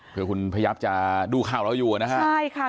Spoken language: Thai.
เพื่อคุณพยับจะดูข่าวเราอยู่นะฮะใช่ค่ะ